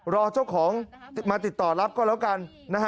รอเจ้าของมาติดต่อรับก็แล้วกัน